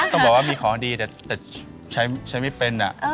ต้องบอกว่ามีของดีแต่ใช้ไม่เป็น